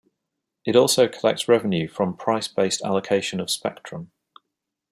It also collects revenue from price-based allocation of spectrum.